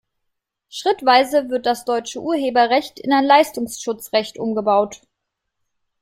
Schrittweise wird das deutsche Urheberrecht in ein Leistungsschutzrecht umgebaut.